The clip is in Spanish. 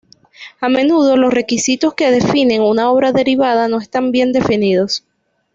A menudo los requisitos que definen una obra derivada no están bien definidos.